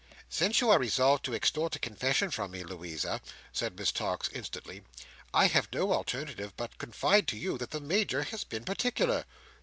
"Since you are resolved to extort a confession from me, Louisa," said Miss Tox instantly, "I have no alternative but to confide to you that the Major has been particular."